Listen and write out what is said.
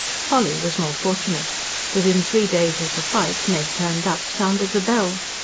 Polly was more fortunate. Within three days of the fight Ned turned up, sound as a bell.